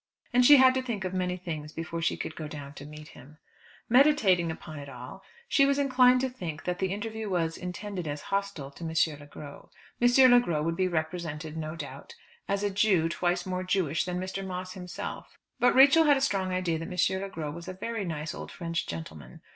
And she had to think of many things before she could go down to meet him. Meditating upon it all, she was inclined to think that the interview was intended as hostile to M. Le Gros. M. Le Gros would be represented, no doubt, as a Jew twice more Jewish than Mr. Moss himself. But Rachel had a strong idea that M. Le Gros was a very nice old French gentleman.